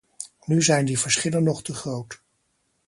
Nu zijn die verschillen nog te groot.